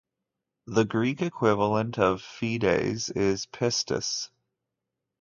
The Greek equivalent of Fides is Pistis.